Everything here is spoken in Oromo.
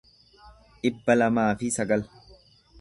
dhibba lamaa fi sagal